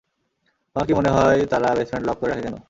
তোমার কি মনে হয় তারা বেসমেন্ট লক করে রাখে কেন?